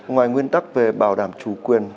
ngoài nguyên tắc về bảo đảm chủ quyền